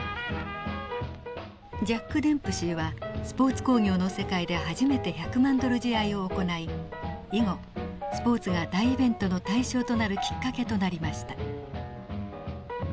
ジャック・デンプシーはスポーツ興業の世界で初めて１００万ドル試合を行い以後スポーツが大イベントの対象となるきっかけとなりました。